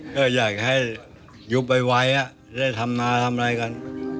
ถ้าอยากให้ยุบไวจะทำหน้าทำไรกัน